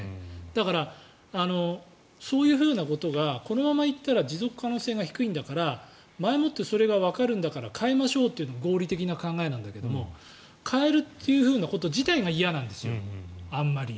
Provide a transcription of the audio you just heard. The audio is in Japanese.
だから、そういうことがこのまま行ったら持続可能性が低いんだから前もってそれがわかるんだから変えましょうっていうのが合理的な考え方なんだけど変えるということ自体が嫌なんですよ、あまり。